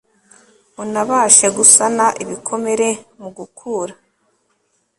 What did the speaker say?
unabashe gusana ibikomere, mu gukura